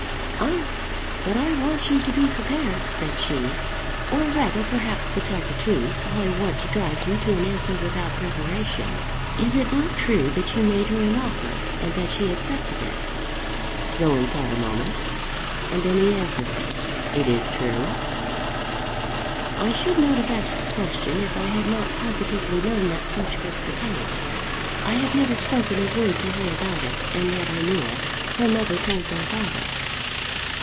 "Ah! but I want you to be prepared," said she; "or rather, perhaps, to tell the truth, I want to drive you to an answer without preparation. Is it not true that you made her an offer, and that she accepted it?" Rowan thought a moment, and then he answered her, "It is true." "I should not have asked the question if I had not positively known that such was the case. I have never spoken a word to her about it, and yet I knew it. Her mother told my father."